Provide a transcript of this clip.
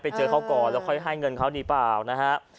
ไปเจอเขาก่อนแล้วค่อยให้เงินเขาดีเปล่านะฮะ